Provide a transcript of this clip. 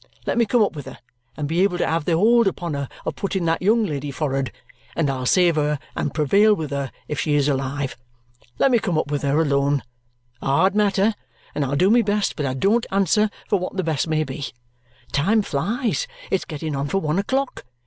Let me come up with her and be able to have the hold upon her of putting that young lady for'ard, and I'll save her and prevail with her if she is alive. Let me come up with her alone a hard matter and I'll do my best, but I don't answer for what the best may be. Time flies; it's getting on for one o'clock.